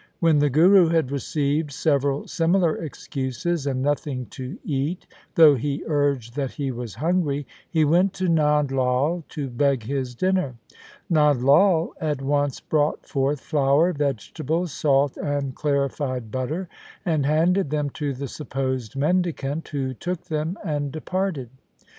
When the Guru had received several similar excuses and nothing to eat, though he urged that he was hungry, he went to Nand Lai to beg his dinner. Nand Lai at once brought forth flour, vegetables, salt, and clari fied butter, and handed them to the supposed mendicant, who took them and departed.